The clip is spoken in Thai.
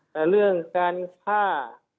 แต่เรื่องการฆ่า